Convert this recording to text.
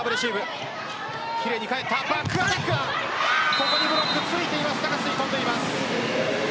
ここにブロックついていきましたが吸い込んでいます。